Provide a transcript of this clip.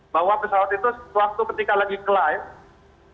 bahwa pesawat itu sewaktu ketika lagi climb